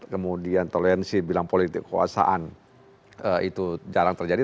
kemudian toleransi bilang politik kekuasaan itu jarang terjadi